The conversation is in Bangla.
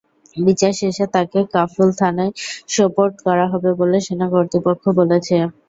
বিচার শেষে তাঁকে কাফরুল থানায় সোপর্দ করা হবে বলে সেনা কর্তৃপক্ষ বলেছে।